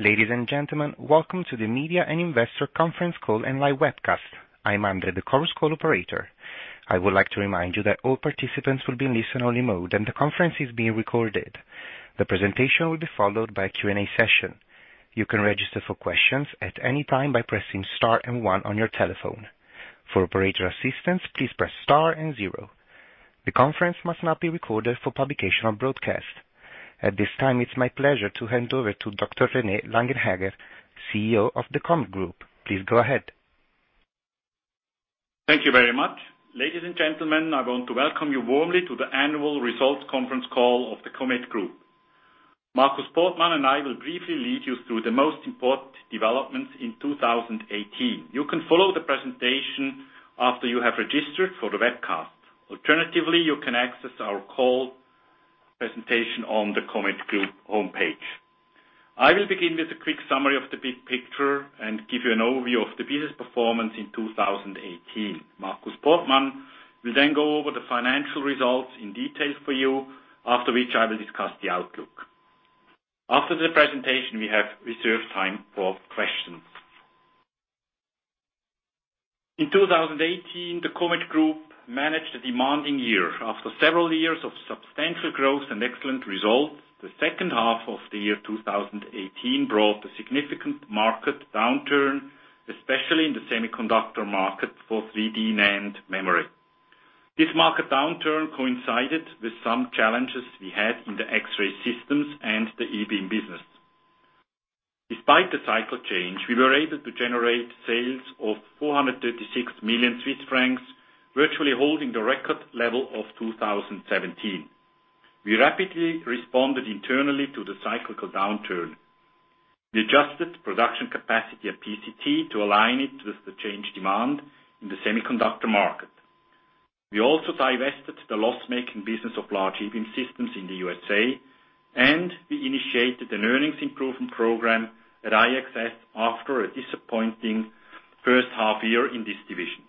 Ladies and gentlemen, welcome to the Media and Investor Conference Call and live webcast. I'm Andre, the conference call operator. I would like to remind you that all participants will be in listen-only mode and the conference is being recorded. The presentation will be followed by a Q&A session. You can register for questions at any time by pressing star and one on your telephone. For operator assistance, please press star and zero. The conference must not be recorded for publication or broadcast. At this time, it's my pleasure to hand over to Dr. René Lenggenhager, CEO of the Comet Group. Please go ahead. Thank you very much. Ladies and gentlemen, I want to welcome you warmly to the annual results conference call of the Comet Group. Markus Portmann and I will briefly lead you through the most important developments in 2018. You can follow the presentation after you have registered for the webcast. Alternatively, you can access our call presentation on the Comet Group homepage. I will begin with a quick summary of the big picture and give you an overview of the business performance in 2018. Markus Portmann will go over the financial results in detail for you, after which I will discuss the outlook. After the presentation, we have reserved time for questions. In 2018, the Comet Group managed a demanding year. After several years of substantial growth and excellent results, the second half of the year 2018 brought a significant market downturn, especially in the semiconductor market for 3D NAND memory. This market downturn coincided with some challenges we had in the X-ray systems and the E-beam business. Despite the cycle change, we were able to generate sales of 436 million Swiss francs, virtually holding the record level of 2017. We rapidly responded internally to the cyclical downturn. We adjusted production capacity at PCT to align it with the changed demand in the semiconductor market. We also divested the loss-making business of large E-beam systems in the USA, we initiated an earnings improvement program at IXS after a disappointing first half year in this division.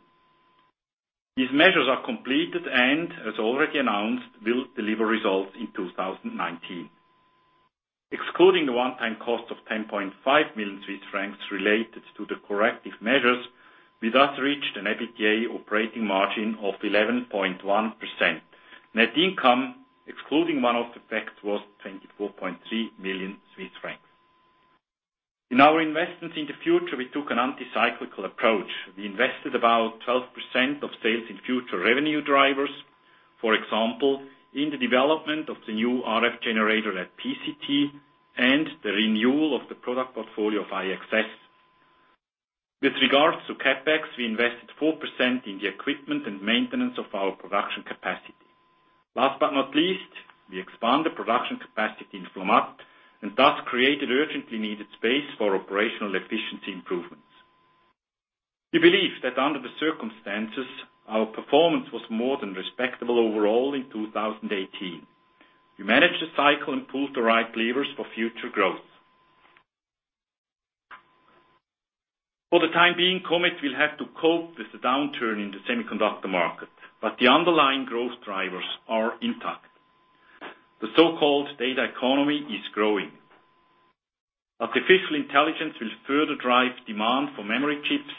These measures are completed and, as already announced, will deliver results in 2019. Excluding the one-time cost of 10.5 million Swiss francs related to the corrective measures, we thus reached an EBITDA operating margin of 11.1%. Net income, excluding one-off effects, was 24.3 million Swiss francs. In our investments in the future, we took an anti-cyclical approach. We invested about 12% of sales in future revenue drivers. For example, in the development of the new RF generator at PCT and the renewal of the product portfolio of IXS. With regards to CapEx, we invested 4% in the equipment and maintenance of our production capacity. Last but not least, we expanded production capacity in Flamatt, and thus created urgently needed space for operational efficiency improvements. We believe that under the circumstances, our performance was more than respectable overall in 2018. We managed the cycle and pulled the right levers for future growth. For the time being, Comet will have to cope with the downturn in the semiconductor market, but the underlying growth drivers are intact. The so-called data economy is growing. Artificial intelligence will further drive demand for memory chips.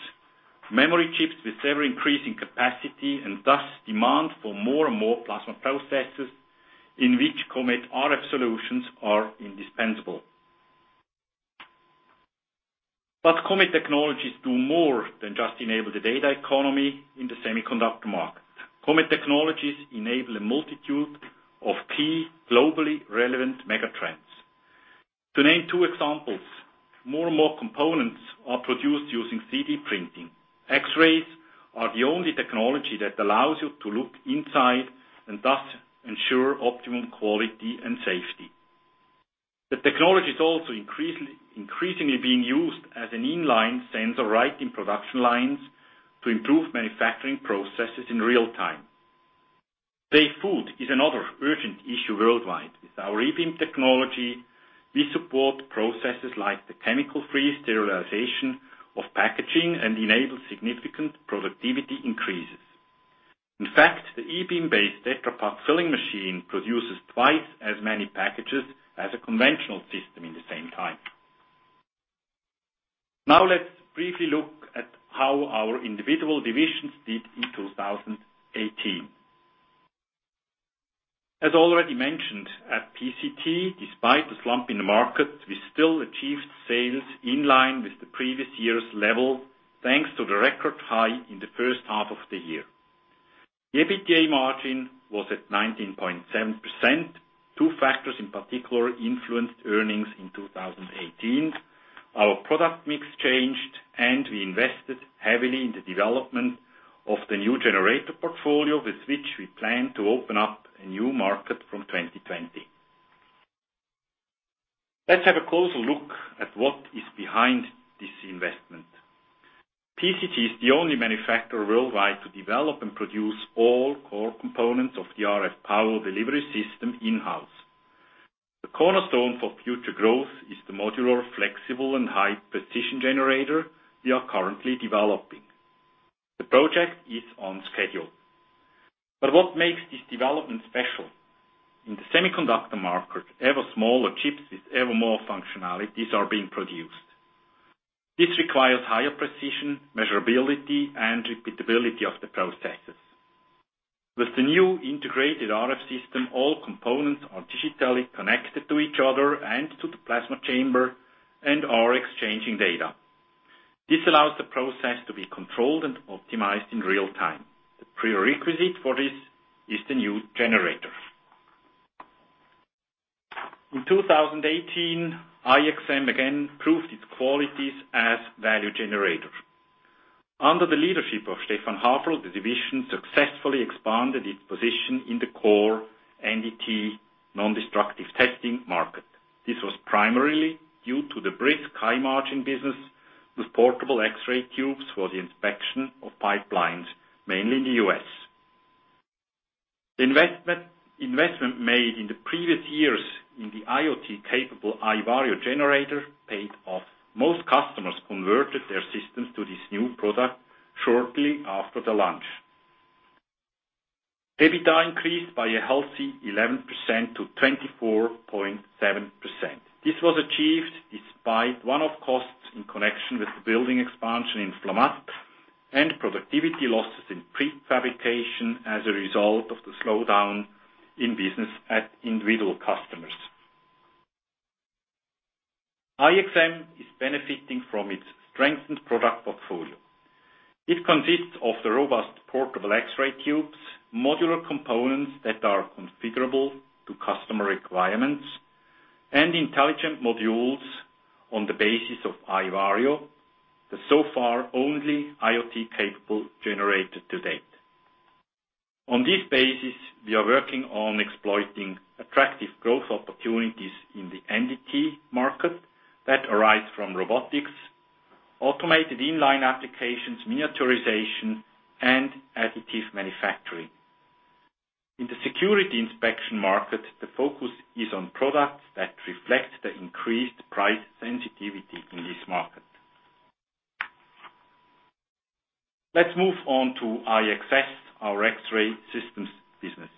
Memory chips with ever-increasing capacity and thus demand for more and more plasma processes, in which Comet RF solutions are indispensable. Comet technologies do more than just enable the data economy in the semiconductor market. Comet technologies enable a multitude of key globally relevant megatrends. To name two examples, more and more components are produced using 3D printing. X-rays are the only technology that allows you to look inside, and thus ensure optimum quality and safety. The technology is also increasingly being used as an in-line sensor right in production lines to improve manufacturing processes in real time. Safe food is another urgent issue worldwide. With our E-beam technology, we support processes like the chemical-free sterilization of packaging and enable significant productivity increases. In fact, the E-beam-based Tetra Pak filling machine produces twice as many packages as a conventional system in the same time. Let's briefly look at how our individual divisions did in 2018. As already mentioned, at PCT, despite the slump in the market, we still achieved sales in line with the previous year's level, thanks to the record high in the first half of the year. The EBITDA margin was at 19.7%. Two factors in particular influenced earnings in 2018. Our product mix changed, and we invested heavily in the development of the new generator portfolio, with which we plan to open up a new market from 2020. Let's have a closer look at what is behind this investment. PCT is the only manufacturer worldwide to develop and produce all core components of the RF power delivery system in-house. The cornerstone for future growth is the modular, flexible, and high-precision generator we are currently developing. The project is on schedule. What makes this development special? In the semiconductor market, ever smaller chips with ever more functionalities are being produced. This requires higher precision, measurability, and repeatability of the processes. With the new integrated RF system, all components are digitally connected to each other and to the plasma chamber, and are exchanging data. This allows the process to be controlled and optimized in real time. The prerequisite for this is the new generator. In 2018, IXM again proved its qualities as value generator. Under the leadership of Stephan Haferl, the division successfully expanded its position in the core NDT, nondestructive testing, market. This was primarily due to the brisk high-margin business with portable X-ray tubes for the inspection of pipelines, mainly in the U.S. The investment made in the previous years in the IoT-capable iVario generator paid off. Most customers converted their systems to this new product shortly after the launch. EBITDA increased by a healthy 11% to 24.7%. This was achieved despite one-off costs in connection with the building expansion in Flamatt and productivity losses in prefabrication as a result of the slowdown in business at individual customers. IXM is benefiting from its strengthened product portfolio. It consists of the robust portable X-ray tubes, modular components that are configurable to customer requirements, and intelligent modules on the basis of iVario, the so far only IoT-capable generator to date. On this basis, we are working on exploiting attractive growth opportunities in the NDT market that arise from robotics, automated in-line applications, miniaturization, and additive manufacturing. In the security inspection market, the focus is on products that reflect the increased price sensitivity in this market. Let's move on to IXS, our X-ray systems business.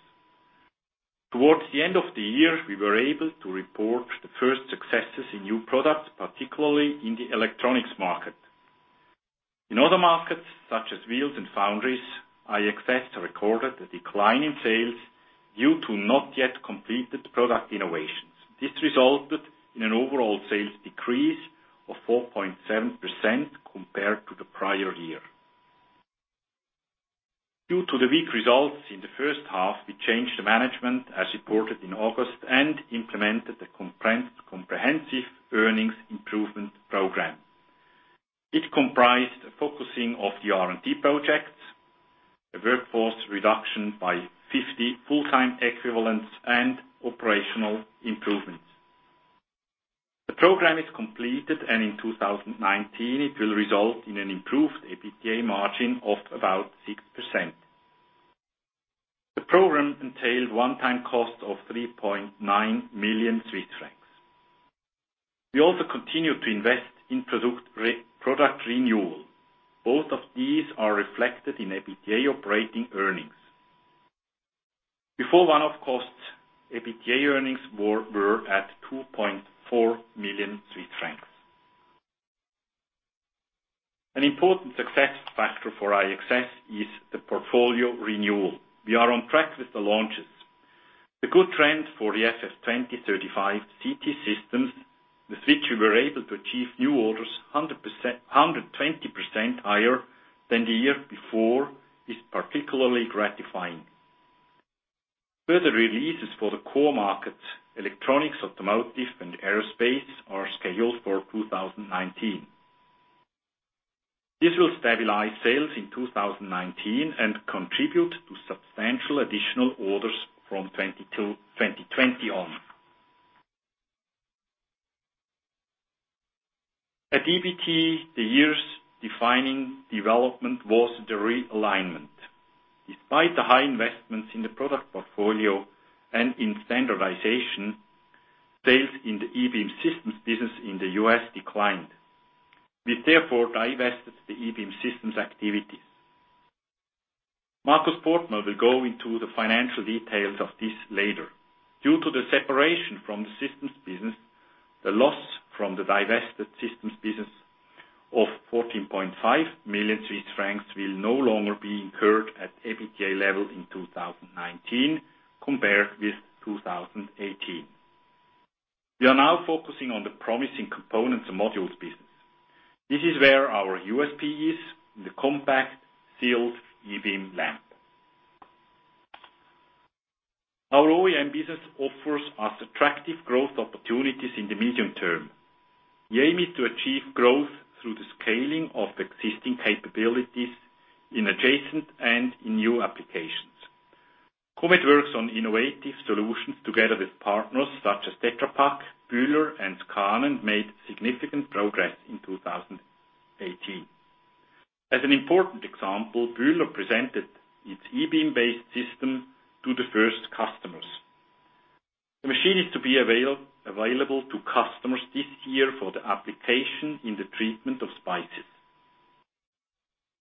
Towards the end of the year, we were able to report the first successes in new products, particularly in the electronics market. In other markets, such as wheels and foundries, IXS recorded a decline in sales due to not yet completed product innovations. This resulted in an overall sales decrease of 4.7% compared to the prior year. Due to the weak results in the first half, we changed the management as reported in August and implemented a comprehensive earnings improvement program. It comprised a focusing of the R&D projects, a workforce reduction by 50 full-time equivalents, and operational improvements. The program is completed, and in 2019, it will result in an improved EBITDA margin of about 6%. The program entailed one-time costs of 3.9 million Swiss francs. We also continue to invest in product renewal. Both of these are reflected in EBITDA operating earnings. Before one-off costs, EBITDA earnings were at CHF 2.4 million. An important success factor for IXS is the portfolio renewal. We are on track with the launches. The good trend for the FF35 CT systems, with which we were able to achieve new orders 120% higher than the year before, is particularly gratifying. Further releases for the core markets, electronics, automotive, and aerospace, are scheduled for 2019. This will stabilize sales in 2019 and contribute to substantial additional orders from 2020 on. At EBT, the year's defining development was the realignment. Despite the high investments in the product portfolio and in standardization, sales in the E-beam systems business in the U.S. declined. We therefore divested the E-beam systems activities. Markus Portmann will go into the financial details of this later. Due to the separation from the systems business, the loss from the divested systems business of 14.5 million Swiss francs will no longer be incurred at EBITDA level in 2019, compared with 2018. We are now focusing on the promising components and modules business. This is where our USP is, in the compact sealed E-beam lamp. Our OEM business offers us attractive growth opportunities in the medium term. The aim is to achieve growth through the scaling of existing capabilities in adjacent and in new applications. Comet works on innovative solutions together with partners such as Tetra Pak, Bühler, and Skan made significant progress in 2018. As an important example, Bühler presented its E-beam-based system to the first customer. Be available to customers this year for the application in the treatment of spices.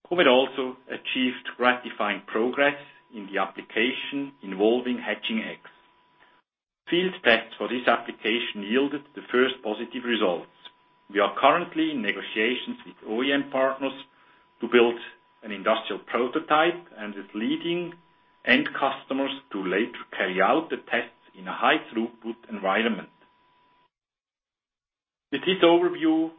Comet also achieved gratifying progress in the application involving hatching eggs. Field tests for this application yielded the first positive results. We are currently in negotiations with OEM partners to build an industrial prototype, and with leading end customers to later carry out the tests in a high-throughput environment. With this overview,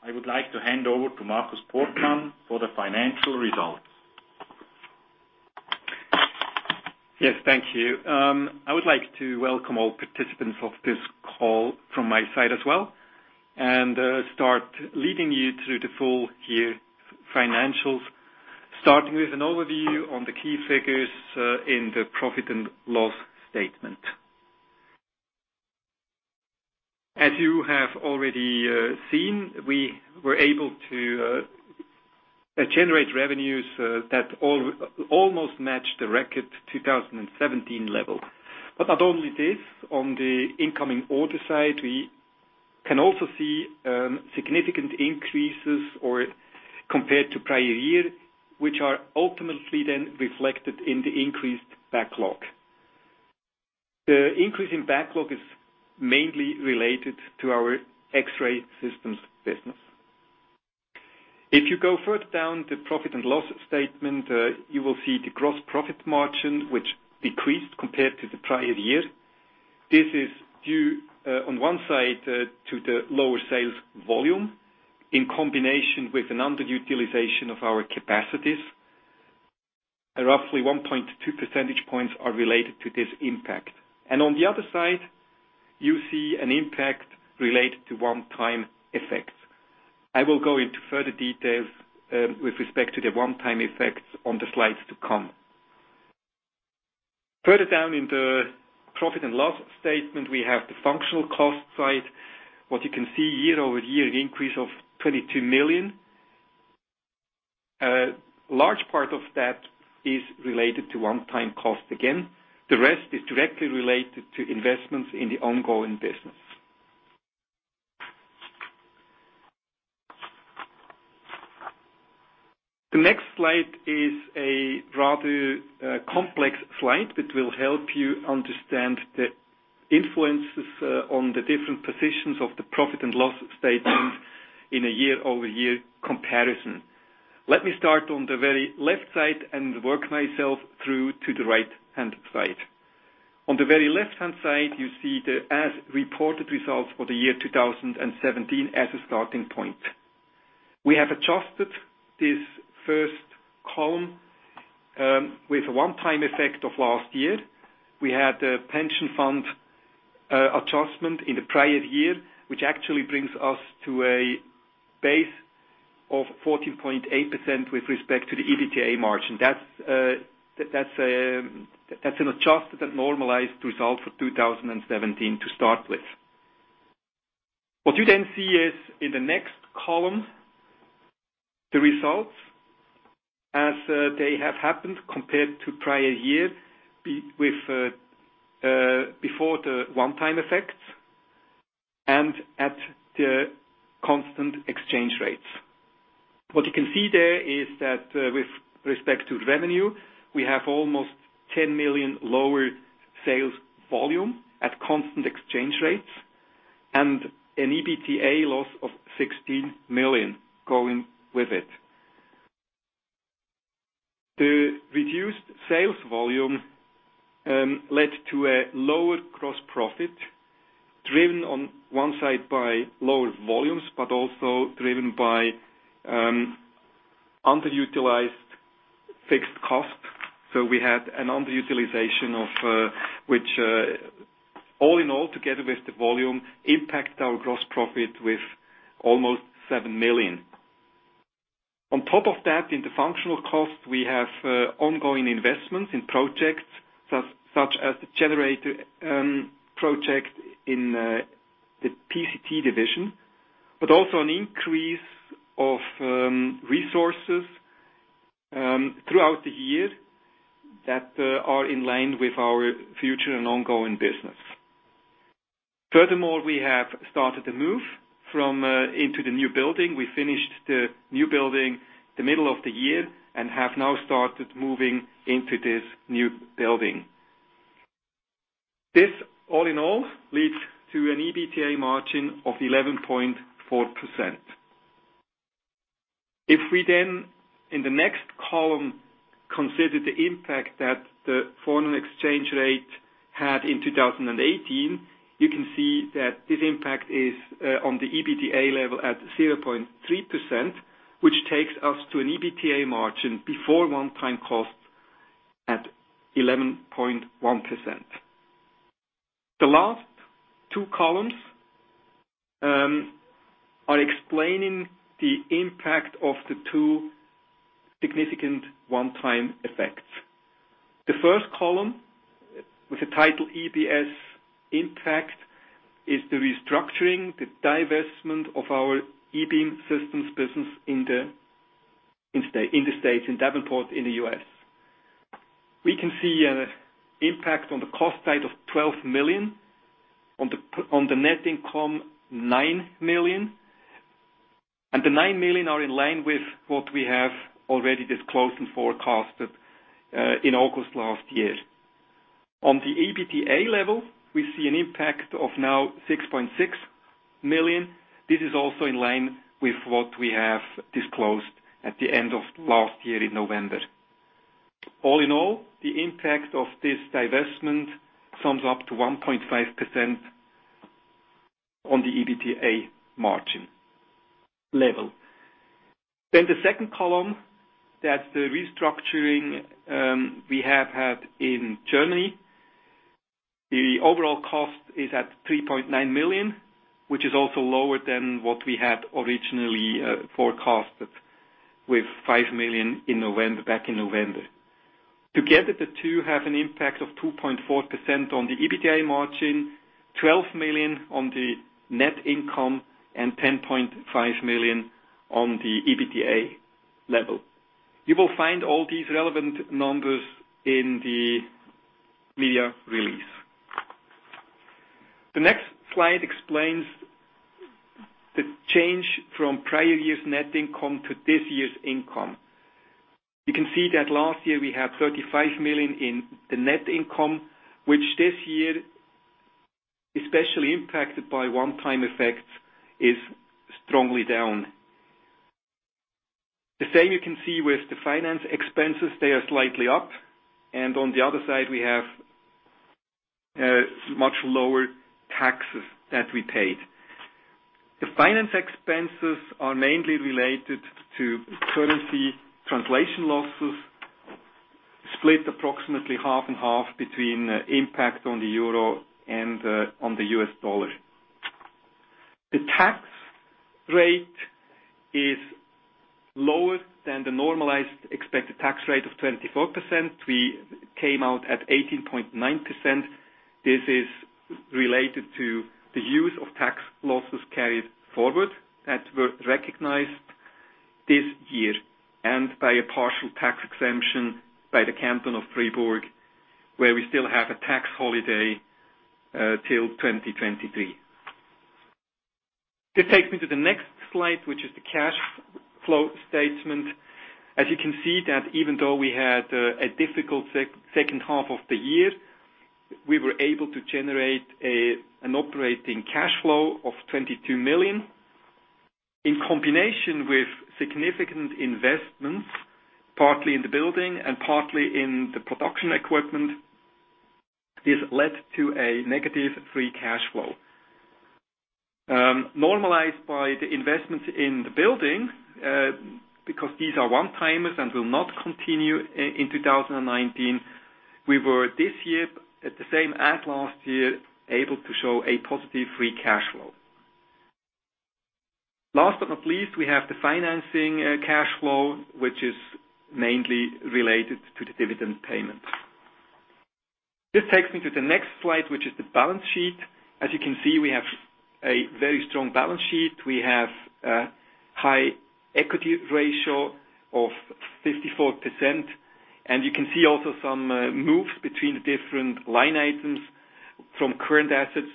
I would like to hand over to Markus Portmann for the financial results. Yes, thank you. I would like to welcome all participants of this call from my side as well, and start leading you through the full year financials, starting with an overview on the key figures in the profit and loss statement. As you have already seen, we were able to generate revenues that almost match the record 2017 level. Not only this, on the incoming order side, we can also see significant increases or compared to prior year, which are ultimately then reflected in the increased backlog. The increase in backlog is mainly related to our X-ray systems business. If you go further down the profit and loss statement, you will see the gross profit margin, which decreased compared to the prior year. This is due, on one side, to the lower sales volume, in combination with an underutilization of our capacities. Roughly 1.2 percentage points are related to this impact. On the other side, you see an impact related to one-time effects. I will go into further details with respect to the one-time effects on the slides to come. Further down in the profit and loss statement, we have the functional cost side. What you can see year-over-year, the increase of 22 million. A large part of that is related to one-time cost again. The rest is directly related to investments in the ongoing business. The next slide is a rather complex slide that will help you understand the influences on the different positions of the profit and loss statement in a year-over-year comparison. Let me start on the very left side and work myself through to the right-hand side. On the very left-hand side, you see the as-reported results for the year 2017 as a starting point. We have adjusted this first column with a one-time effect of last year. We had a pension fund adjustment in the prior year, which actually brings us to a base of 14.8% with respect to the EBITDA margin. That's an adjusted and normalized result for 2017 to start with. What you see is in the next column, the results as they have happened compared to prior year before the one-time effects and at the constant exchange rates. What you can see there is that with respect to revenue, we have almost 10 million lower sales volume at constant exchange rates and an EBITDA loss of 16 million going with it. The reduced sales volume led to a lower gross profit, driven on one side by lower volumes, but also driven by underutilized fixed costs. We had an underutilization of which all in all, together with the volume, impacted our gross profit with almost 7 million. On top of that, in the functional cost, we have ongoing investments in projects such as the generator project in the PCT division, but also an increase of resources throughout the year that are in line with our future and ongoing business. Furthermore, we have started the move into the new building. We finished the new building the middle of the year and have now started moving into this new building. This, all in all, leads to an EBITDA margin of 11.4%. If we, in the next column, consider the impact that the foreign exchange rate had in 2018, you can see that this impact is on the EBITDA level at 0.3%, which takes us to an EBITDA margin before one-time cost at 11.1%. The last two columns are explaining the impact of the two significant one-time effects. The first column with the title EBS Impact is the restructuring, the divestment of our E-beam Systems business in the U.S., in Davenport, in the U.S. We can see an impact on the cost side of 12 million. On the net income, 9 million. The 9 million are in line with what we have already disclosed and forecasted in August last year. On the EBITDA level, we see an impact of now 6.6 million. This is also in line with what we have disclosed at the end of last year in November. All in all, the impact of this divestment sums up to 1.5% on the EBITDA margin level. The second column, that's the restructuring we have had in Germany. The overall cost is at 3.9 million, which is also lower than what we had originally forecasted with 5 million back in November. Together, the two have an impact of 2.4% on the EBITDA margin, 12 million on the net income, and 10.5 million on the EBITDA level. You will find all these relevant numbers in the media release. The next slide explains the change from prior year's net income to this year's income. You can see that last year we had 35 million in the net income, which this year, especially impacted by one-time effects, is strongly down. The same you can see with the finance expenses, they are slightly up. On the other side, we have much lower taxes that we paid. The finance expenses are mainly related to currency translation losses, split approximately half and half between impact on the EUR and on the USD. The tax rate is lower than the normalized expected tax rate of 24%. We came out at 18.9%. This is related to the use of tax losses carried forward that were recognized this year, and by a partial tax exemption by the Canton of Fribourg, where we still have a tax holiday till 2023. This takes me to the next slide, which is the cash flow statement. As you can see that even though we had a difficult second half of the year, we were able to generate an operating cash flow of 22 million. In combination with significant investments, partly in the building and partly in the production equipment, this led to a negative free cash flow. Normalized by the investments in the building, because these are one-timers and will not continue in 2019, we were this year, at the same as last year, able to show a positive free cash flow. Last but not least, we have the financing cash flow, which is mainly related to the dividend payment. This takes me to the next slide, which is the balance sheet. As you can see, we have a very strong balance sheet. We have a high equity ratio of 54%, and you can see also some moves between the different line items from current assets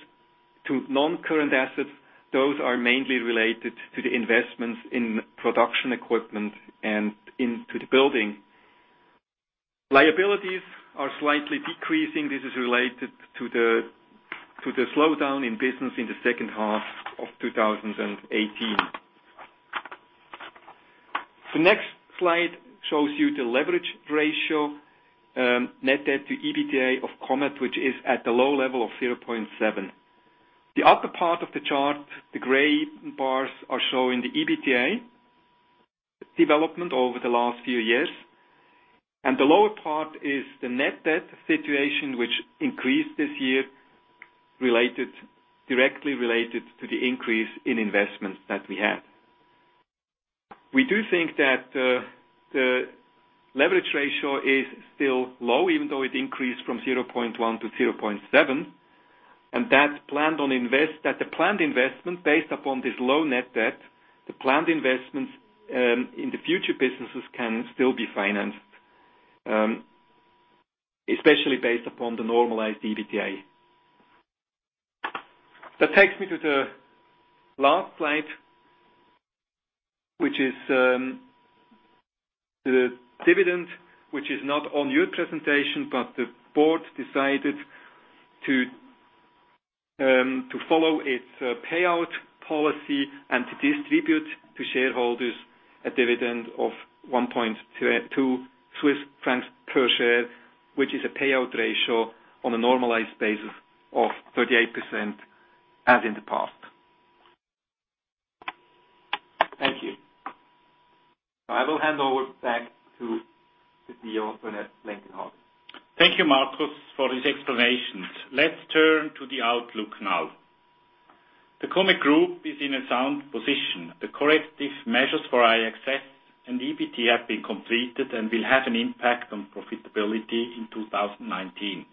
to non-current assets. Those are mainly related to the investments in production equipment and into the building. Liabilities are slightly decreasing. This is related to the slowdown in business in the second half of 2018. The next slide shows you the leverage ratio, net debt to EBITDA of Comet, which is at the low level of 0.7. The upper part of the chart, the gray bars are showing the EBITDA development over the last few years. The lower part is the net debt situation, which increased this year, directly related to the increase in investments that we had. We do think that the leverage ratio is still low, even though it increased from 0.1 to 0.7. That the planned investment based upon this low net debt, the planned investments in the future businesses can still be financed, especially based upon the normalized EBITDA. That takes me to the last slide, which is the dividend, which is not on your presentation, but the board decided to follow its payout policy and to distribute to shareholders a dividend of 1.2 Swiss francs per share, which is a payout ratio on a normalized basis of 38%, as in the past. Thank you. I will hand over back to the CEO, René Lenggenhager. Thank you, Markus, for these explanations. Let's turn to the outlook now. The Comet Group is in a sound position. The corrective measures for IXS and EBT have been completed and will have an impact on profitability in 2019.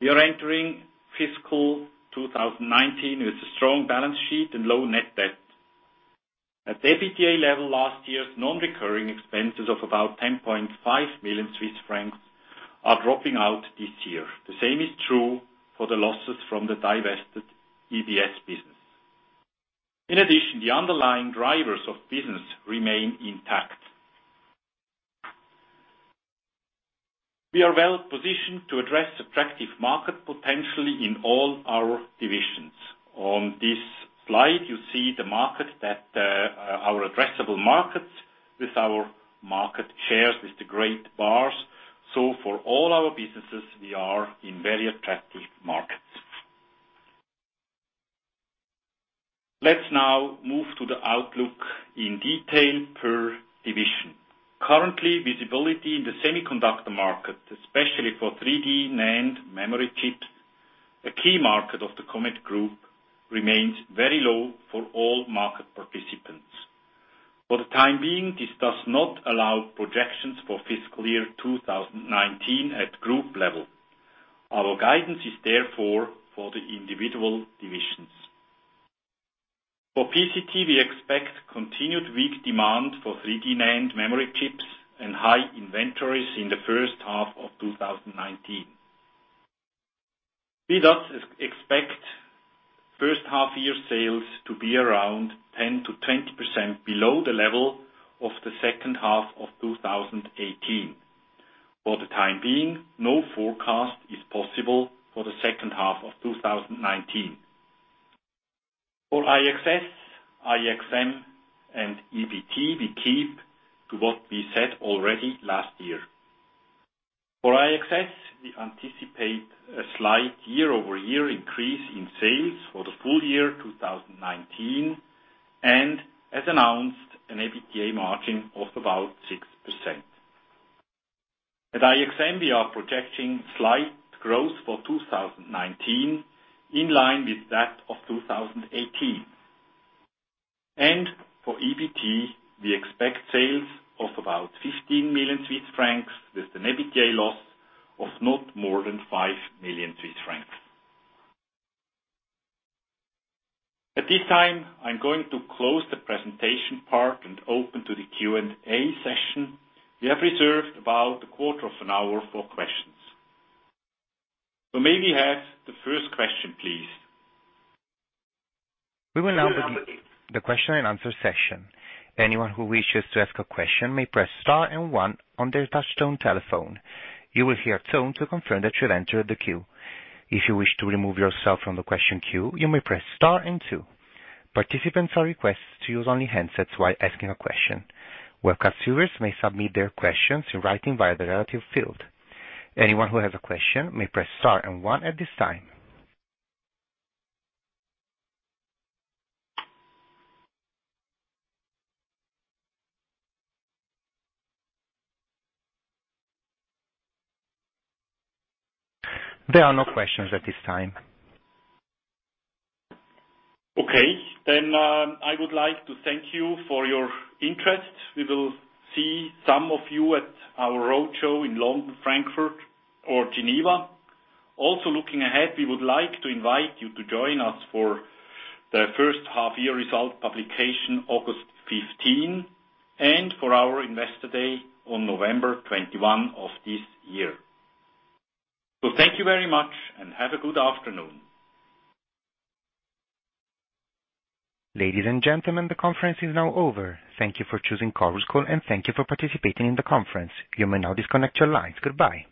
We are entering fiscal 2019 with a strong balance sheet and low net debt. At the EBITDA level, last year's non-recurring expenses of about 10.5 million Swiss francs are dropping out this year. The same is true for the losses from the divested EBS business. The underlying drivers of business remain intact. We are well-positioned to address attractive market potentially in all our divisions. On this slide, you see our addressable markets with our market shares with the gray bars. For all our businesses, we are in very attractive markets. Let's now move to the outlook in detail per division. Currently, visibility in the semiconductor market, especially for 3D NAND memory chip, a key market of the Comet Group, remains very low for all market participants. This does not allow projections for fiscal year 2019 at group level. Our guidance is therefore for the individual divisions. PCT, we expect continued weak demand for 3D NAND memory chips and high inventories in the first half of 2019. We thus expect first half year sales to be around 10%-20% below the level of the second half of 2018. No forecast is possible for the second half of 2019. IXS, IXM, and EBT, we keep to what we said already last year. IXS, we anticipate a slight year-over-year increase in sales for the full year 2019, and as announced, an EBITDA margin of about 6%. At IXM, we are projecting slight growth for 2019 in line with that of 2018. For EBT, we expect sales of about 15 million Swiss francs with an EBITDA loss of not more than 5 million Swiss francs. At this time, I'm going to close the presentation part and open to the Q&A session. We have reserved about a quarter of an hour for questions. May we have the first question, please? We will now begin the question and answer session. Anyone who wishes to ask a question may press star and one on their touchtone telephone. You will hear a tone to confirm that you have entered the queue. If you wish to remove yourself from the question queue, you may press star and two. Participants are requested to use only handsets while asking a question. Webcast viewers may submit their questions in writing via the relative field. Anyone who has a question may press star and one at this time. There are no questions at this time. Okay. I would like to thank you for your interest. We will see some of you at our roadshow in London, Frankfurt, or Geneva. Also looking ahead, we would like to invite you to join us for the first half year result publication August 15 and for our investor day on November 21 of this year. Thank you very much and have a good afternoon. Ladies and gentlemen, the conference is now over. Thank you for choosing Chorus Call, and thank you for participating in the conference. You may now disconnect your lines. Goodbye